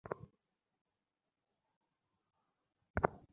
এসব সমস্যার সঙ্গে ঢাকার চলচ্চিত্রে এখন নতুন করে যোগ হয়েছে অভিনয়শিল্পীর সংকট।